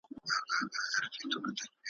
ستا په تور نصیب ختلې شپه یمه تېرېږمه ,